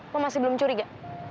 lo masih belum curiga